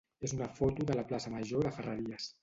és una foto de la plaça major de Ferreries.